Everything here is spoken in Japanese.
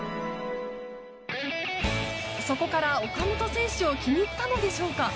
そこから岡本選手を気に入ったのでしょうか。